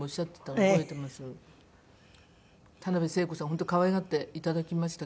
本当可愛がっていただきました。